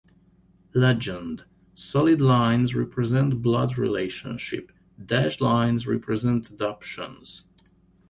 Legend: Solid lines represent blood relationship; dashed lines represent adoptions.